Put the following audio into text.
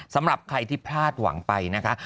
สำหรับใครที่พลาดหวังไปนะคะ